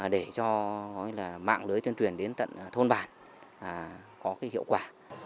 để cho mạng lưới tuyên truyền đến tận thôn bản có hiệu quả